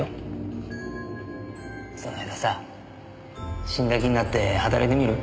それならさ死んだ気になって働いてみる？